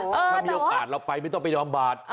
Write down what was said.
ถ้ามีโอกาสไปไม่ต้องไปบำบัด